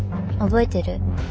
覚えてる？